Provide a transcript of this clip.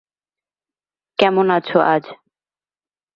কেমন আছো আজ?